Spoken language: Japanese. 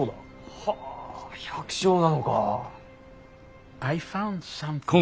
はぁ百姓なのか。